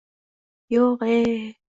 — Yo‘g‘-e?